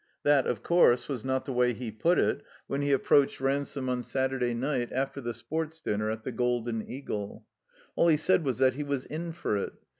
That, of course, was not the way he put it when he approached Ransome on Saturday night after the Sports Dinner at the "Golden Eagle." All he said was that he was "in for it."